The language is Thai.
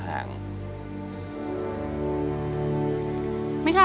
สวัสดีครับ